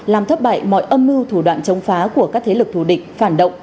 làm thất bại mọi âm mưu thủ đoạn chống phá của các thế lực thù địch phản động